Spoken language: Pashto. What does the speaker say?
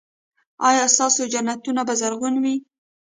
ایا ستاسو جنتونه به زرغون وي؟